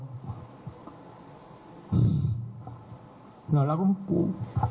หลวงหลวงปู่